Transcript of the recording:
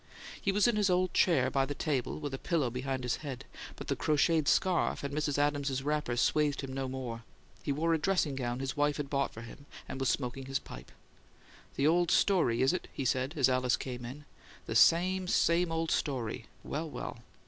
He was in his old chair by the table, with a pillow behind his head, but the crocheted scarf and Mrs. Adams's wrapper swathed him no more; he wore a dressing gown his wife had bought for him, and was smoking his pipe. "The old story, is it?" he said, as Alice came in. "The same, same old story! Well, well!